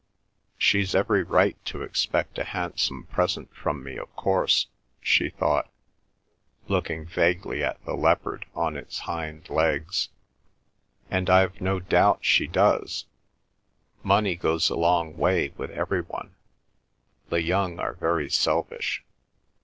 "She's every right to expect a handsome present from me, of course," she thought, looking vaguely at the leopard on its hind legs, "and I've no doubt she does! Money goes a long way with every one. The young are very selfish.